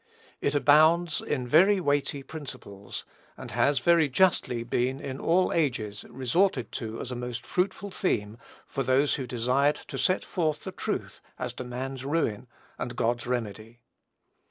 It abounds in very weighty principles; and has, very justly, been, in all ages, resorted to as a most fruitful theme for those who desired to set forth the truth as to man's ruin and God's remedy.